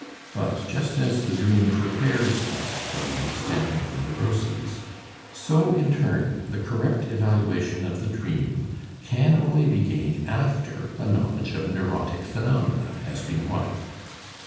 But just as the dream prepares us for the understanding of the neuroses, so in turn the correct evaluation of the dream can only be gained after a knowledge of neurotic phenomena has been won.